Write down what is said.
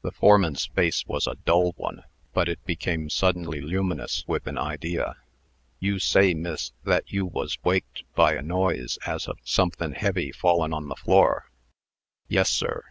The foreman's face was a dull one, but it became suddenly luminous with an idea: "You say, miss, that you was waked by a noise as of somethin' heavy fallin' on the floor?" "Yes, sir."